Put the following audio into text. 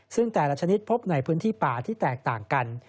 ซึ่งแต่ละชนิดพบในพื้นที่ป่าที่แตกต่างกัน